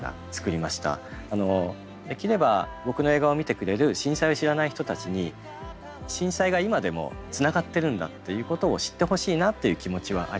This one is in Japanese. できれば僕の映画を見てくれる震災を知らない人たちに震災が今でもつながってるんだっていうことを知ってほしいなっていう気持ちはありました。